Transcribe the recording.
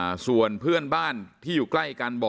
พี่สาวต้องเอาอาหารที่เหลืออยู่ในบ้านมาทำให้เจ้าหน้าที่เข้ามาช่วยเหลือ